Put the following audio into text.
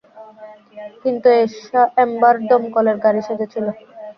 কিন্তু এম্বার দমকলের গাড়ি সেজেছিল।